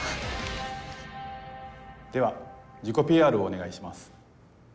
では自己ＰＲをお願いします。